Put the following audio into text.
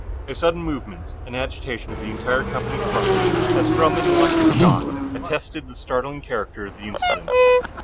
A sudden movement, an agitation of the entire company front, as from an electric shock, attested the startling character of the incident.